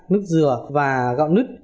nước dừa và gạo nứt